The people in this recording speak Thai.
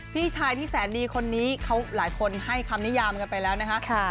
พี่ชายที่แสนดีคนนี้เขาหลายคนให้คำนิยามกันไปแล้วนะคะ